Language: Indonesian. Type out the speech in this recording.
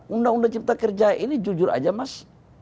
undang undang cipta kerja ini jujur aja mas